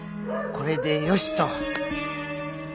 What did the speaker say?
これでよしと。